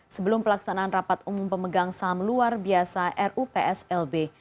sebelum pelaksanaan rapat umum pemegang saham luar biasa rupslb